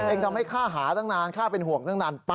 เองทำให้ค๊าหานานค้าเป็นห่วงนาน